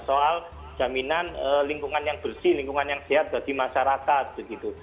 soal jaminan lingkungan yang bersih lingkungan yang sehat bagi masyarakat begitu